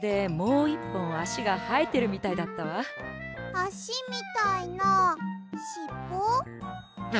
あしみたいなしっぽ？